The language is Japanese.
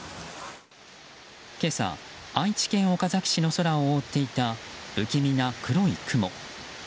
今朝愛知県岡崎市の空を覆っていた不気味な黒い雲。